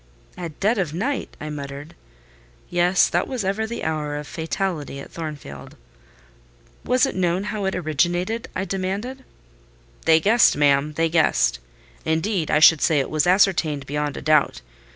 "At dead of night!" I muttered. Yes, that was ever the hour of fatality at Thornfield. "Was it known how it originated?" I demanded. "They guessed, ma'am: they guessed. Indeed, I should say it was ascertained beyond a doubt.